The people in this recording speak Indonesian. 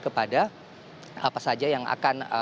kepada apa saja yang akan